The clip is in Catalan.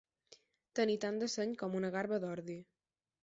Tenir tant de seny com una garba d'ordi.